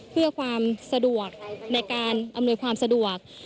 เพื่อความสะดวกในการอำนวยความสะดวก